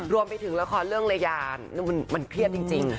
รวมไปถึงละครเรื่องระยามันเครียดจริง